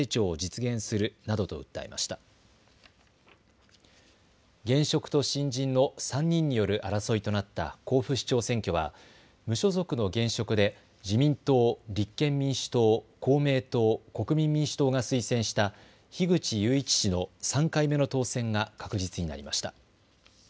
現職と新人の３人による争いとなった甲府市長選挙は無所属の現職で自民党、立憲民主党、公明党、国民民主党が推薦した樋口雄一氏の３回目の当選が確実になりました。